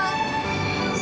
sama temen aku